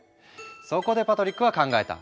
そこでパトリックは考えた。